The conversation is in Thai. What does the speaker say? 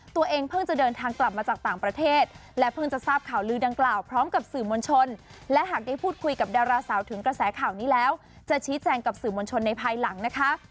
ตัวเองเพิ่งจะเดินทางกลับมาจากต่างประเทศและเพิ่งจะทราบข่าวลือดังกล่าวพร้อมกับสื่อมวลชนและหากได้พูดคุยกับดาราสาวถึงกระแสข่าวนี้แล้วจะชี้แจงกับสื่อมวลชนในภายหลังนะคะ